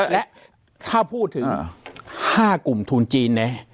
และถ้าพูดถึง๕กลุ่มทุนจีนนะ